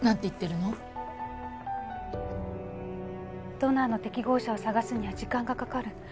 ドナーの適合者を探すには時間がかかる。